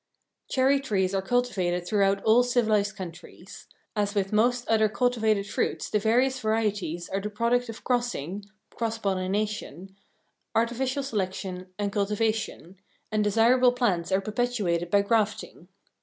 Cherry trees are cultivated throughout all civilized countries. As with most other long cultivated fruits the various varieties are the product of crossing (cross pollination), artificial selection and cultivation, and desirable plants are perpetuated by grafting.